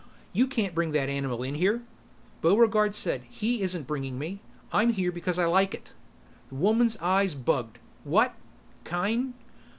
You can't bring that animal in here!" Buregarde said, "He isn't bringing me. I'm here because I like it." The woman's eyes bugged. "What ... kind